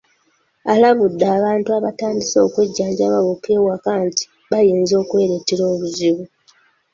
Alabudde abantu abatandise okwejjanjaba bokka ewaka nti bayinza okwereetera obuzibu.